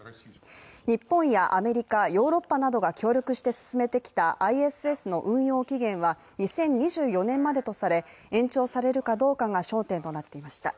日本やアメリカ、ヨーロッパなどが協力して進めてきたＩＳＳの運用期限は２０２４年までとされ、延長されるかどうかが焦点となっていました。